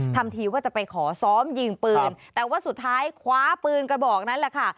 ทำทีว่าจะไปขอซ้อมยิงปืนแต่ว่าสุดท้ายคว้าปืนกระบอกนั้นแหละค่ะ